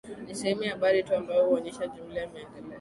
Ni sehemu ya habari tu ambayo huonyesha jumla ya maendeleo